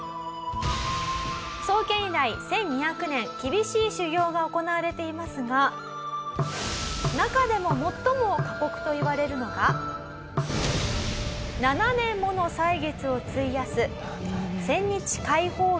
創建以来１２００年厳しい修行が行われていますが中でも最も過酷といわれるのが７年もの歳月を費やす